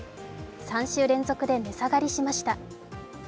３週連続で値下がりしました。